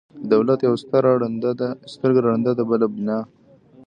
د دولت یوه سترګه ړنده ده، بله بینا.